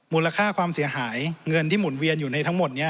มูลค่าความเสียหายเงินที่หมุนเวียนอยู่ในทั้งหมดนี้